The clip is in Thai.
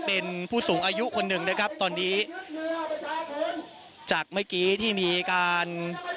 เป็นผู้สูงอายุคนหนึ่งนะครับตอนนี้จากเมื่อกี้ที่มีการ